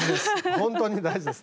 本当に大事です。